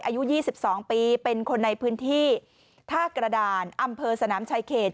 อายุ๒๒ปีเป็นคนในพื้นที่ท่ากระดานอำเภอสนามชายเขต